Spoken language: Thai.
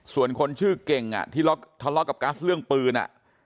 ส่วนคนชื่อเก่งที่ทะเลาะกับกัสเรื่องปืน